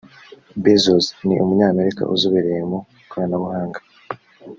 Bezos ni Umunyamerika uzobereye mu ikoranabuhanga